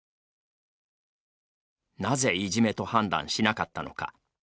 なぜ、いじめと判断しなかったのか。